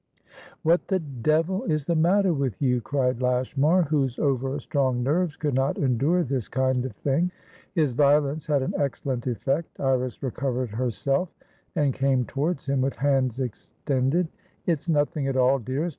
"What the devil is the matter with you?" cried Lashmar, whose over strong nerves could not endure this kind of thing. His violence had an excellent effect. Iris recovered herself, and came towards him with hands extended. "It's nothing at all, dearest.